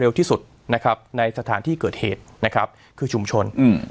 ที่สุดนะครับในสถานที่เกิดเหตุนะครับคือชุมชนอืม